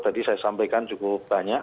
jadi saya sampaikan cukup banyak